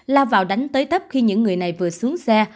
lao vào đánh tới tấp khi những người này vừa xuống xe